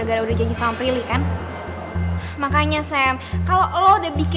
emm makasih banyak ya kak ya